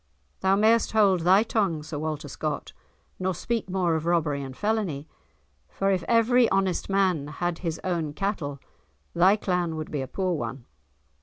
"Thou mayest hold thy tongue, Sir Walter Scott, nor speak more of robbery and felony, for if every honest man had his own cattle thy clan would be a poor one."